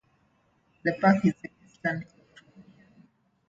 The park is in eastern California.